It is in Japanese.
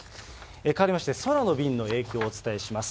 変わりまして、空の便の影響をお伝えします。